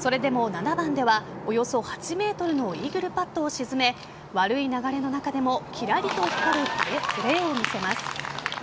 それでも７番ではおよそ８ｍのイーグルパットを沈め悪い流れの中でもキラリと光るプレーを見せます。